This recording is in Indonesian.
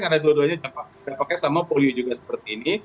karena dua duanya tampaknya sama polio juga seperti ini